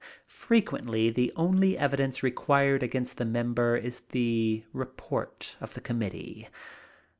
Frequently the only evidence required against the member is the report of the committee.